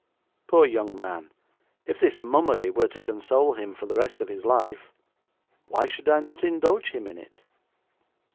Poor young man, if this mummery were to console him for the rest of his life, why should I not indulge him in it?'